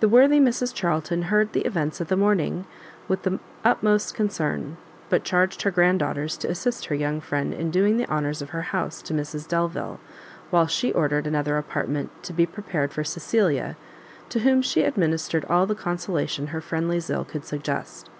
The worthy Mrs Charlton heard the events of the morning with the utmost concern, but charged her grand daughters to assist her young friend in doing the honours of her house to Mrs Delvile, while she ordered another apartment to be prepared for Cecilia, to whom she administered all the consolation her friendly zeal could suggest.